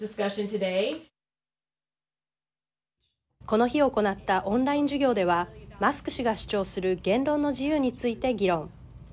この日行ったオンライン授業ではマスク氏が主張する言論の自由について議論。